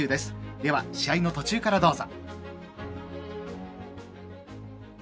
では、試合の途中からどうぞ。